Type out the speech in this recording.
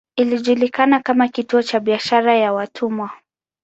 Ilijulikana kama kituo cha biashara ya watumwa.